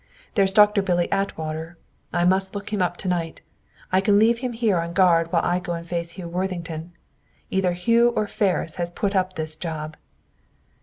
There's Doctor Billy Atwater. I must look him up to night. I can leave him here on guard while I go and face Hugh Worthington. Either Hugh or Ferris has put up this job!"